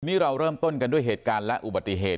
นี่เราเริ่มต้นกันด้วยเหตุการณ์และอุบัติเหตุ